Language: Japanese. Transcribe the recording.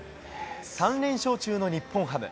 ３連勝中の日本ハム。